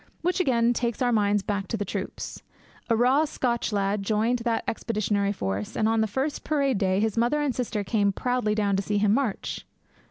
Which again takes our minds back to the troops. A raw Scotch lad joined the expeditionary force, and on the first parade day his mother and sister came proudly down to see him march.